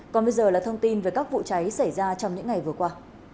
còn bây giờ là thông tin về các vụ cháy xảy ra trong những ngày vừa qua